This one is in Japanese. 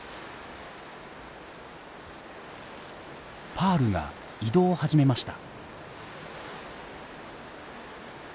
パールが移動を始めました。